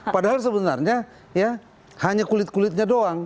padahal sebenarnya ya hanya kulit kulitnya doang